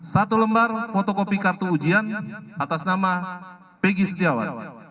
satu lembar fotokopi kartu ujian atas nama peggy setiawan